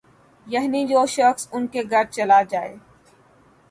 یعنی جو شخص ان کے گھر چلا جائے